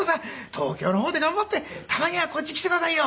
東京の方で頑張ってたまにはこっち来てくださいよ」